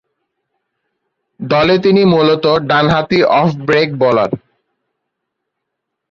দলে তিনি মূলতঃ ডানহাতি অফ ব্রেক বোলার।